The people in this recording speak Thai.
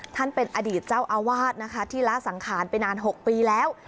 ท่านเป็นอดีตเจ้าอาวาสนะคะที่ละสังขารไปนาน๖ปีแล้ว